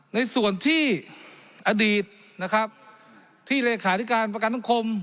ในส่วนที่อดีตนะครับที่เลขาธิการประกันสังคม